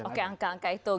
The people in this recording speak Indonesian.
oke angka angka itu gitu ya